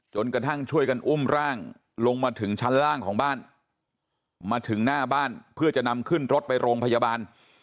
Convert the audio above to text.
จนกระทั่งช่วยกันอุ้มร่างลงมาถึงชั้นล่างของบ้านมาถึงหน้าบ้านเพื่อจะนำขึ้นรถไปโรงพยาบาล